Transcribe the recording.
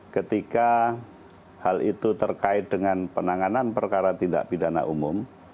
ketika hal itu terkait dengan penanganan perkara tindak pidana umum